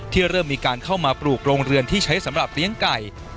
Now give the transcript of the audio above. เริ่มมีการเข้ามาปลูกโรงเรือนที่ใช้สำหรับเลี้ยงไก่